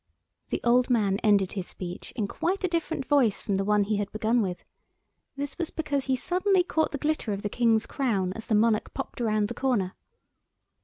The old man ended his speech in quite a different voice from the one he had begun with. This was because he suddenly caught the glitter of the King's crown as the Monarch popped round the corner.